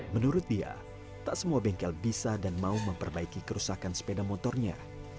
menurut dia tak semua bengkel bisa dan mau memperbaiki kerusakan sepeda motornya